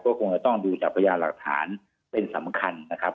ก็คงจะต้องดูจากพยานหลักฐานเป็นสำคัญนะครับ